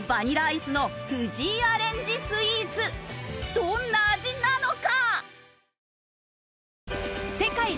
どんな味なのか！？